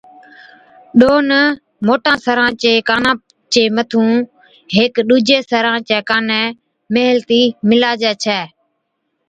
ڏونَ موٽان سران چين ڪانان چي مَٿُون ھيڪ ڏُوجي سران چي ڪاني ميلهتِي مِلاجي ڇَي